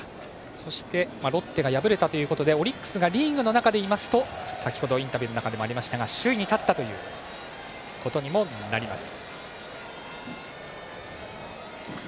そしてロッテが敗れたということでオリックスがリーグの中で言いますと先程、インタビューの中でもありましたが首位に立ったということにもなります。